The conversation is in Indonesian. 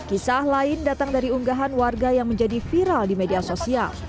kisah lain datang dari unggahan warga yang menjadi viral di media sosial